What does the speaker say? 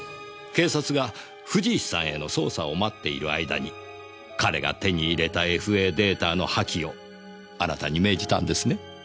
警察が藤石さんへの捜査を待っている間に彼が手に入れたＦＡデータの破棄をあなたに命じたんですね？